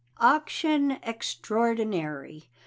AUCTION EXTRAORDINARY.